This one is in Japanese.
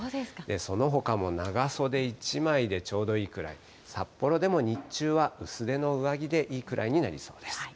そのほかも長袖１枚でちょうどいいくらい、札幌でも日中は、薄手の上着でいいくらいになりそうです。